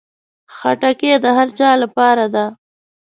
خټکی د هر چا لپاره ده.